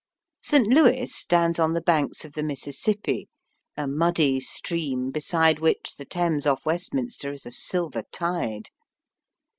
St. Louis stands on the banks of the Mississippi, a muddy stream beside which the Thames off Westminster is a silver tide.